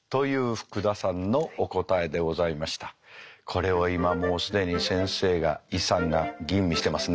これを今もう既に先生がイさんが吟味してますね。